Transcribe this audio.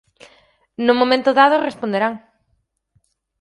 No momento dado responderán".